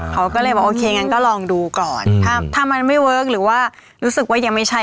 เขาก็เลยบอกโอเคงั้นก็ลองดูก่อนถ้ามันไม่เวิร์คหรือว่ารู้สึกว่ายังไม่ใช่